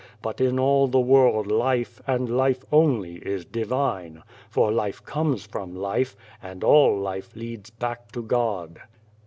But in all the world, life, and life only, is divine, for life comes from life, and all life leads back to God.